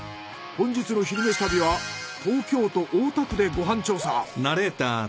本日の「昼めし旅」は東京都大田区でご飯調査。